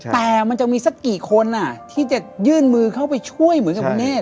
แต่มันจะมีสักกี่คนที่จะยื่นมือเข้าไปช่วยเหมือนกับคุณเนธ